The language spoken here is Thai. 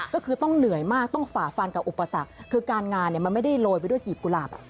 ก็คือต้องเหนื่อยมากต้องฝ่าฟันกับอุปสรรคคือการงานมันไม่ได้โรยไปด้วยกีบกุหลาบ